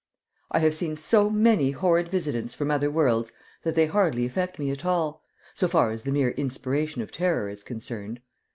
I have seen so many horrid visitants from other worlds that they hardly affect me at all, so far as the mere inspiration of terror is concerned.